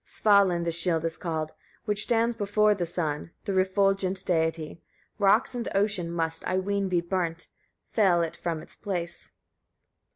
38. Svalin the shield is called, which stands before the sun, the refulgent deity; rocks and ocean must, I ween, be burnt, fell it from its place.